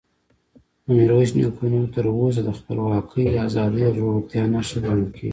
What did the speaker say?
د میرویس نیکه نوم تر اوسه د خپلواکۍ، ازادۍ او زړورتیا نښه ګڼل کېږي.